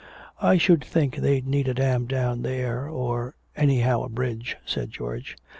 I should think they'd need a dam down there, or anyhow a bridge,' said George.